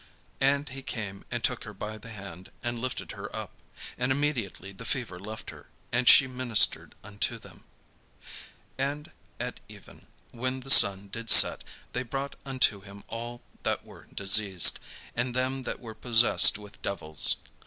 And he came and took her by the hand, and lifted her up; and immediately the fever left her, and she ministered unto them. And at even, when the sun did set, they brought unto him all that were diseased, and them that were possessed with devils.